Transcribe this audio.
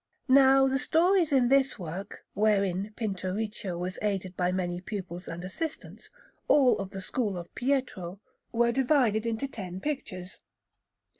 Panel_)] Now the stories in this work, wherein Pinturicchio was aided by many pupils and assistants, all of the school of Pietro, were divided into ten pictures.